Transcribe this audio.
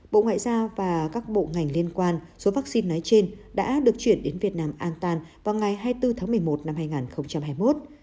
bộ ngoại giao và các bộ ngành liên quan số vaccine nói trên đã được chuyển đến việt nam antan vào ngày hai mươi bốn tháng một mươi một năm hai nghìn hai mươi một